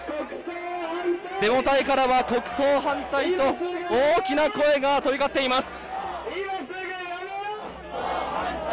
デモ隊からは国葬反対と大きな声が飛び交っています。